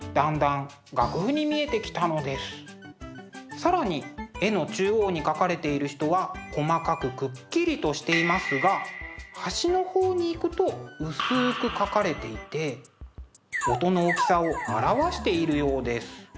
更に絵の中央に描かれている人は細かくくっきりとしていますが端のほうに行くと薄く描かれていて音の大きさを表しているようです。